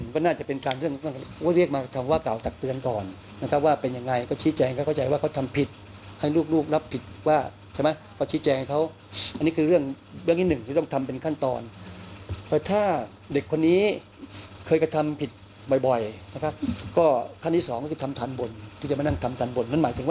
ของการจัดแขนงกรรมพฤติอันนี้คือปัจจัดฐานมัน